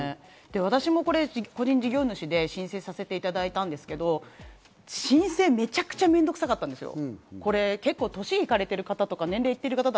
私もこれ個人事業主で申請させていただいたんですけど、申請、めちゃくちゃめんどくさかったんですよ。